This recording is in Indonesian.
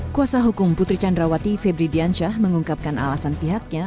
kuasa hukum putri candrawati febri diansyah mengungkapkan alasan pihaknya